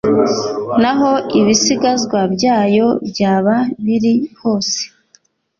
n aho ibisigazwa byayo byaba biri hose